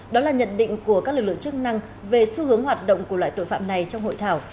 đó là nhận định của các lực lượng chức năng về xu hướng hoạt động của loại tội phạm này trong hội thảo